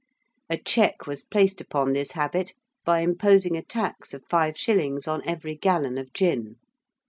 A check was placed upon this habit by imposing a tax of 5_s._ on every gallon of gin.